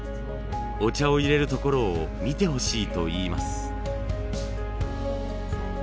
お茶をいれるところを見てほしいといいます。